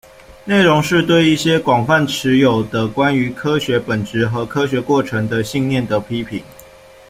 内容是对一些广泛持有的关于科学本质和科学过程的信念的批评。